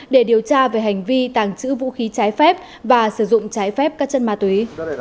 để điều tra về hành vi tàng trữ vũ khí trái phép và sử dụng trái phép các chân ma túy